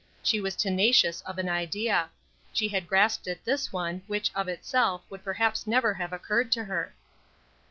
She was tenacious of an idea; she had grasped at this one, which, of itself, would perhaps never have occurred to her.